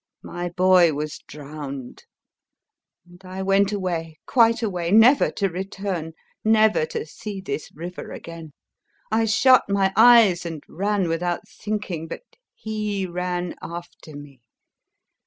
my boy was drowned, and I went away, quite away, never to return, never to see this river again...I shut my eyes and ran without thinking, but he ran after me...